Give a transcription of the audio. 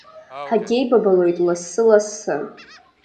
Ҳагьеибабалоит лассы-лассы.